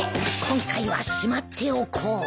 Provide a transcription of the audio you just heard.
今回はしまっておこう。